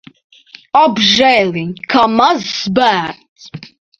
Apžēliņ! Kā mazs bērns.